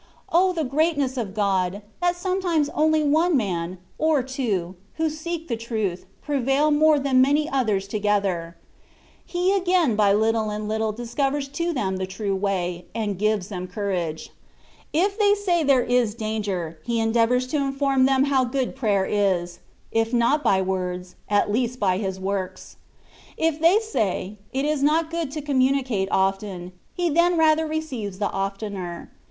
O ! the greatness of God, that sometimes only one man, or two, who seek the truth, prevail more than many others together; He again by little and little discovers to them the true way, and gives them courage. If they say. 108 THE WAY OF PERFECTION. there is danger, he endeavours to inform them how good prayer is, if not by words, at least by his works. If they say, it is not good to com municate often, he then rather receives the oftener.